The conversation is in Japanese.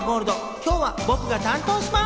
今日は僕が担当します！